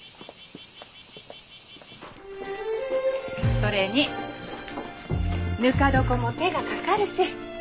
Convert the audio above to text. それにぬか床も手がかかるし。